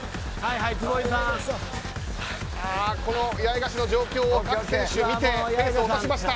八重樫の状況を各選手、見てペースを落としました。